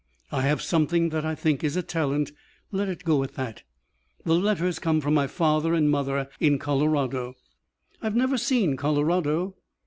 I have something that I think is a talent. Let it go at that. The letters come from my father and mother in Colorado." "I've never seen Colorado."